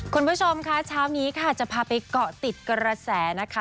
คุณผู้ชมค่ะเช้านี้ค่ะจะพาไปเกาะติดกระแสนะคะ